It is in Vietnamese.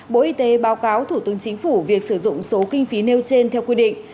bộ y tế báo cáo thủ tướng chính phủ việc sử dụng số kinh phí nêu trên theo quy định